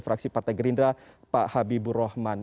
fraksi partai gerindra pak habibur rahman